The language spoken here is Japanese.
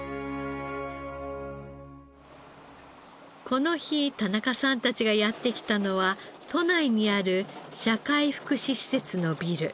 この日田中さんたちがやって来たのは都内にある社会福祉施設のビル。